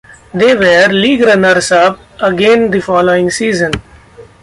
They were league runners-up again the following season.